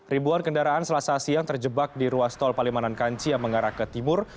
ribuan kendaraan selasa siang terjebak di ruas tol palimanan kanci yang mengarah ke timur